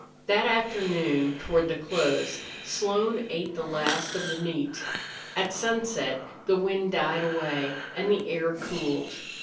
That afternoon, toward the close, Slone ate the last of the meat. At sunset the wind died away and the air cooled.